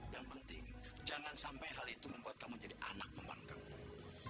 yang penting jangan sampai hal itu membuat kamu jadi anak membangkangku